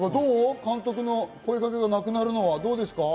監督の声かけがなくなるのはどうですか？